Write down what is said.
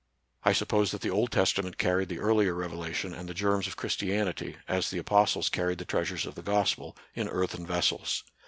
I suppose that the Old Testament carried the earlier revelation and the germs of Christianity, a,3 the apostles carried the treasures of the gospel, in earthen vessels.